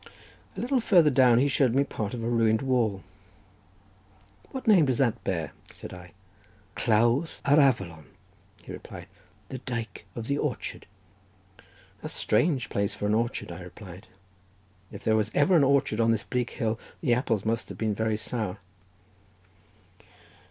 A little farther down he showed me part of a ruined wall. "What name does this bear?" said I. "Clawdd yr Afalon," he replied. "The dyke of the orchard." "A strange place for an orchard," I replied. "If there was ever an orchard on this bleak hill, the apples must have been very sour."